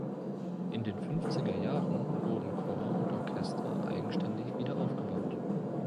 In den Fünfziger-Jahren wurden Chor und Orchester eigenständig wieder aufgebaut.